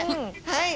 はい。